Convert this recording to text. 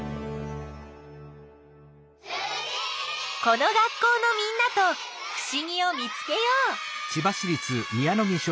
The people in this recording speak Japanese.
この学校のみんなとふしぎを見つけよう。